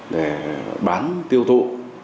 để bán tiêu thụ